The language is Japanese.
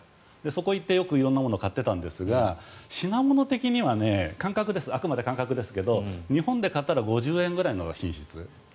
そこに行って色々なものを買っていたんですが品物的にはあくまでも感覚ですけれど日本で買ったら５０円ぐらいの品質。